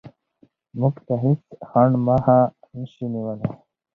موږ ته هېڅ خنډ مخه نشي نیولی.